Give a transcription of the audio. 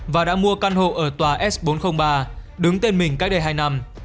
và đã mua căn hộ ở tòa s bốn trăm linh ba đứng tên mình cách đây hai năm